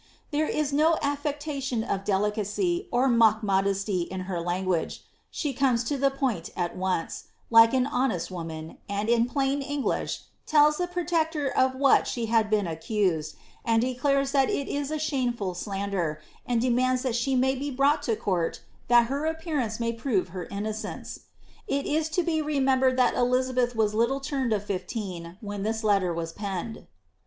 There is no affectation of delicacy or mock modesty in her language ; she comes to the point at once, like an honest woman, and in plain English tells the protector of what she had been accused, and declares that it is a shameful slander, and demands that she may be brought to court that her appearance may prove her innocence. It ia to be remembered that Elizabeth was little turned of fifteen when this letter was penned.